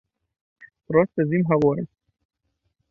Проста з ім гаворыць.